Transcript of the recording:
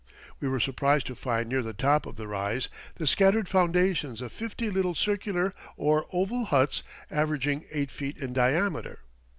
We were surprised to find near the top of the rise the scattered foundations of fifty little circular or oval huts averaging eight feet in diameter.